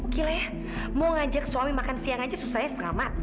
gila ya mau ngajak suami makan siang aja susahnya setengah mati